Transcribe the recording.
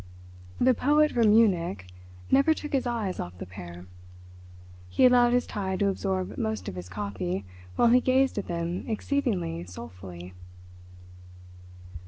The poet from Munich never took his eyes off the pair. He allowed his tie to absorb most of his coffee while he gazed at them exceedingly soulfully.